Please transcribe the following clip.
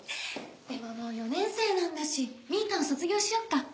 でももう４年生なんだし「みぃたん」卒業しよっか。